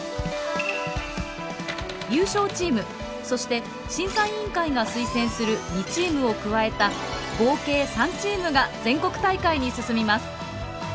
優勝チームそして審査委員会が推薦する２チームを加えた合計３チームが全国大会に進みます。